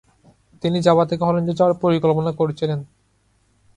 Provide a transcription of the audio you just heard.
তিনি জাভা থেকে হল্যান্ডে যাওয়ার পরিকল্পনা করছিলেন।